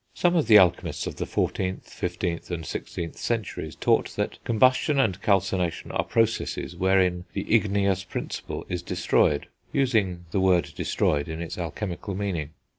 Some of the alchemists of the 14th, 15th and 16th centuries taught that combustion and calcination are processes wherein the igneous principle is destroyed, using the word "destroyed" in its alchemical meaning.